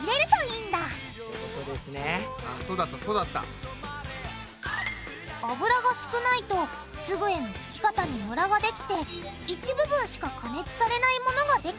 あそうだったそうだった。油が少ないと粒へのつき方にムラができて一部分しか加熱されないものができちゃう。